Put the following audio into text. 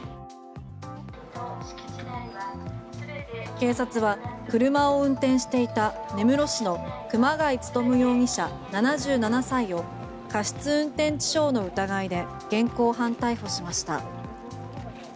警察は車を運転していた根室市の熊谷勉容疑者、７７歳を過失運転致傷の疑いで現行犯逮捕しました。